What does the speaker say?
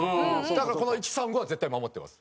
だからこの１３５は絶対守ってます。